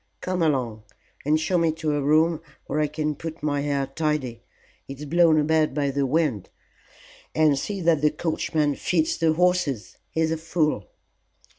Come along and show me to a room where I can put my hair tidy; it's blown about by the wind. And see that the coachman feeds the horses. He's a fool."